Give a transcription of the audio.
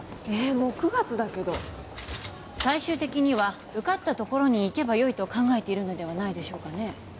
もう９月だけど最終的には受かった所に行けばよいと考えているのではないでしょうかね？